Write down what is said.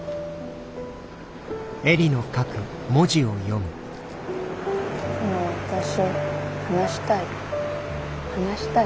「でも私話したい」。